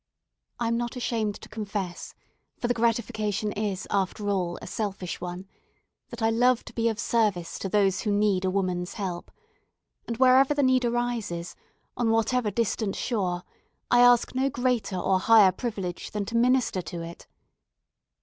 I am not ashamed to confess for the gratification is, after all, a selfish one that I love to be of service to those who need a woman's help. And wherever the need arises on whatever distant shore I ask no greater or higher privilege than to minister to it.